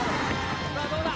さあどうだ？